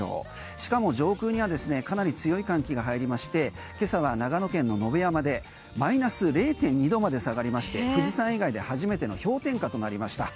しかも、上空にはですねかなり強い寒気が入りまして今朝は長野県の野辺山でマイナス０．２度まで下がりまして富士山以外で初めての氷点下となりました。